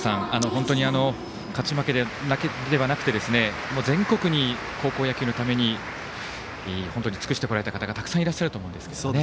本当に勝ち負けだけではなくて全国に高校野球のために本当に尽くしてこられた方がたくさんいらっしゃると思いますけどね。